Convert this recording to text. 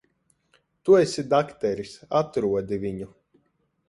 Tu esi dakteris. Atrodi viņu.